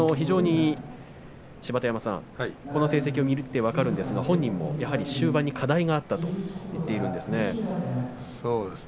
芝田山さん、この成績を見ると分かるんですが本人も終盤に課題があったと言っているんですね。